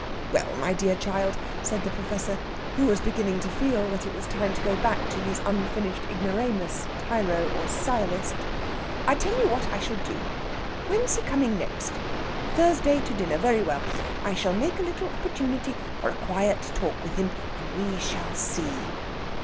"Well, my dear child," said the Professor, who was beginning to feel that it was time to go back to his unfinished ignoramus, tyro, or sciolist; "I tell you what I shall do. When's he coming next? Thursday, to dinner. Very well. I shall make a little opportunity for a quiet talk with him, and we shall see."